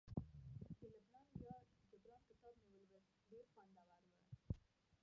د لبنان ویاړ جبران کتاب مې ولوست ډیر خوندور وو